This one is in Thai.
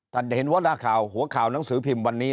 จะเห็นว่าหน้าข่าวหัวข่าวหนังสือพิมพ์วันนี้